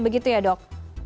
begitu ya dok